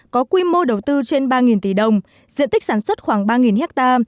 có quy mô đầu tư trên ba tỷ đồng diện tích sản xuất khoảng ba ha